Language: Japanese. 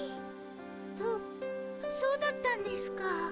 そそうだったんですかあ。